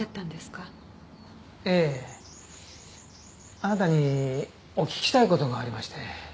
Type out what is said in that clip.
あなたにお聞きしたい事がありまして。